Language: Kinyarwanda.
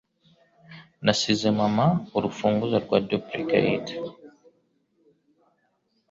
Nasize mama urufunguzo rwa duplicate.